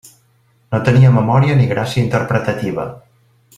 No tenia memòria ni gràcia interpretativa.